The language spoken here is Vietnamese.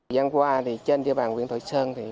gian qua trên địa bàn huyện thoại sơn